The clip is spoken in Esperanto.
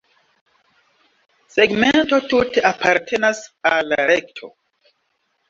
Segmento tute apartenas al la rekto.